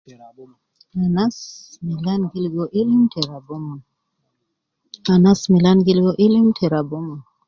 Anas milan gi ligo ilim te raba omon , te anas milan gi ligo ilim te raba omon